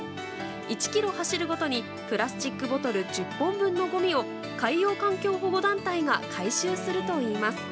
１ｋｍ走るごとにプラスチックボトル１０本分のごみを海洋環境保護団体が回収するといいます。